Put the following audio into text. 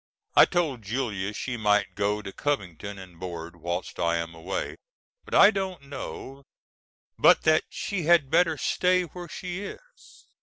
I told Julia she might go to Covington and board whilst I am away but I don't know but that she had better stay where she is.